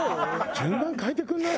順番変えてくんない？